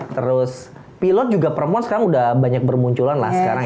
terus pilot juga perempuan sekarang udah banyak bermunculan lah sekarang